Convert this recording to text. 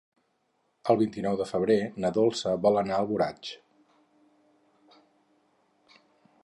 El vint-i-nou de febrer na Dolça vol anar a Alboraig.